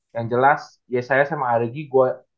yang jelas yesaya sama argy gue